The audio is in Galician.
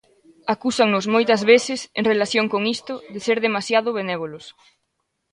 Acúsannos moitas veces, en relación con isto, de ser demasiado benévolos.